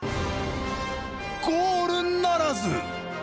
ゴールならず。